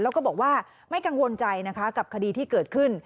แล้วก็บอกว่าไม่กังวลใจนะคะกับคดีที่เกิดขึ้น